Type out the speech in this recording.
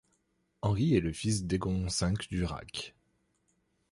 Henri est le fils d'Egon V d'Urach.